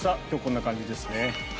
今日はこんな感じですね。